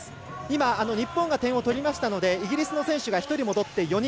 日本が点を取りましたのでイギリスの選手が１人戻って４人。